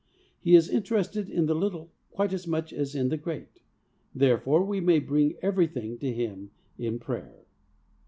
He is interested in the little quite as much as in the great, there fore we may bring everything to Him in prayer.